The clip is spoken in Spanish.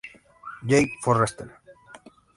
Jay Forrester.